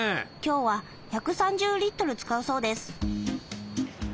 今日は１３０リットル使うそうです。